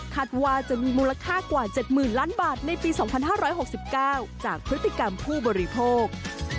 ว่าจะมีมูลค่ากว่า๗๐๐ล้านบาทในปี๒๕๖๙จากพฤติกรรมผู้บริโภค